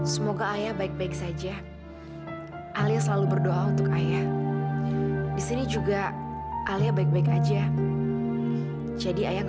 sampai jumpa di video selanjutnya